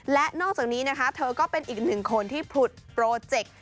และนอกจากนี้นะคะเธอก็เป็นอีกหนึ่งคนที่ผลุดโปรเจกต์